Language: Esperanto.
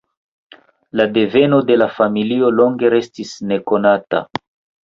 La deveno de la familio longe restis nekonata.